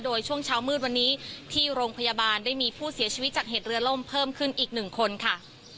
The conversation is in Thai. โดยช่วงเช้ามืดวันนี้ที่โรงพยาบาลได้มีผู้เสียชีวิตจากเหตุเรือล่มเพิ่มขึ้นอีกหนึ่งคนค่ะ